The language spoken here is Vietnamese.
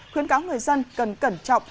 khuyến cáo người dân cần cẩn trọng